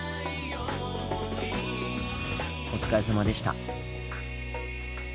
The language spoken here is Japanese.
お疲れさまでした。